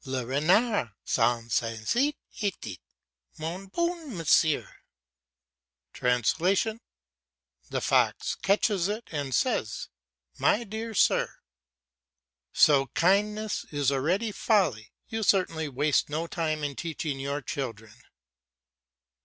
"Le renard s'en saisit, et dit, 'Mon bon monsieur'" (The fox catches it, and says, "My dear sir"). So kindness is already folly. You certainly waste no time in teaching your children.